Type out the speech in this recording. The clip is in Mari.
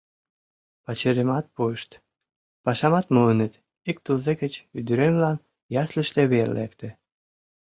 Пачерымат пуышт, пашамат муыныт, ик тылзе гыч ӱдыремлан ясльыште вер лекте.